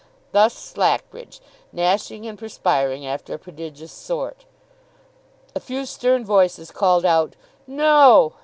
Thus Slackbridge; gnashing and perspiring after a prodigious sort. A few stern voices called out 'No!